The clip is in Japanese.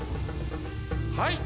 はい！